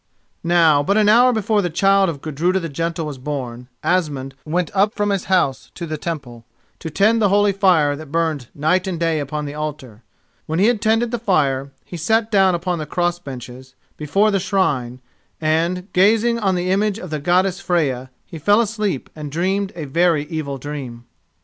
Now, but an hour before the child of Gudruda the Gentle was born, Asmund went up from his house to the Temple, to tend the holy fire that burned night and day upon the altar. When he had tended the fire, he sat down upon the cross benches before the shrine, and, gazing on the image of the Goddess Freya, he fell asleep and dreamed a very evil dream.